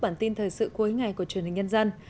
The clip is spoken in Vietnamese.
bản tin thời sự cuối ngày của truyền hình nhân dân